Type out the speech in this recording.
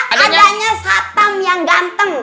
adanya satam yang ganteng